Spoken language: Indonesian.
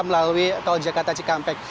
melalui tol jakarta cikampek